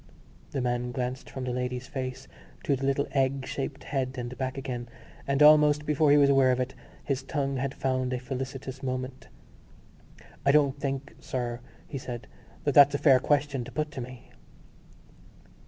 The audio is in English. The man glanced from the lady's face to the little egg shaped head and back again; and, almost before he was aware of it, his tongue had found a felicitous moment: "I don't think, sir," he said, "that that's a fair question to put to me."